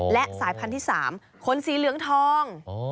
และสายพันธุ์ที่๓ขนสีเหลืองทอง